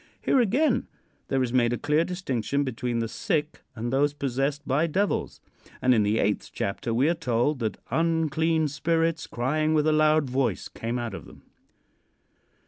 Here again there is made a clear distinction between the sick and those possessed by devils. And in the eighth chapter we are told that "unclean spirits, crying with a loud voice, came out of them."